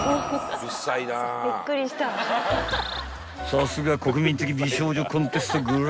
［さすが国民的美少女コンテストグランプリ］